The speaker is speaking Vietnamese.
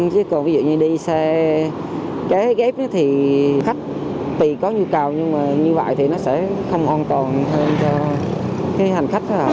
chứ còn ví dụ như đi xe kế ghép thì khách tùy có nhu cầu nhưng mà như vậy thì nó sẽ không an toàn hơn cho hành khách